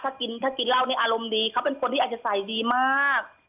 ถ้ากินถ้ากินเหล้าเนี่ยอารมณ์ดีเขาเป็นคนที่อาจจะใส่ดีมาก